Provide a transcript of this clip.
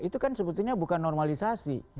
itu kan sebetulnya bukan normalisasi